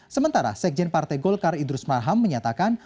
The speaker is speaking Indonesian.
sementara sekjen partai golkar idrus marham menyatakan